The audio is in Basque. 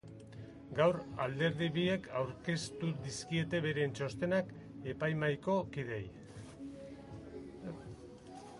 Gaur alderdi biek aurkeztu dizkiete beren txostenak epaimahaiko kideei.